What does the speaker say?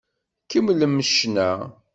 Kemmlem ccna!